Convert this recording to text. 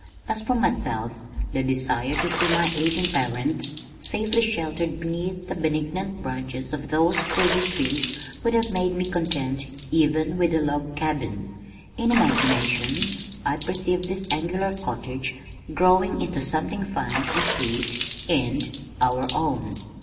As for myself, the desire to see my aging parents safely sheltered beneath the benignant branches of those sturdy trees would have made me content even with a log cabin. In imagination I perceived this angular cottage growing into something fine and sweet and our own!